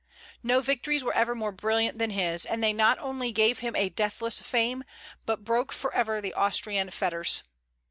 No victories were ever more brilliant than his; and they not only gave him a deathless fame, but broke forever the Austrian fetters.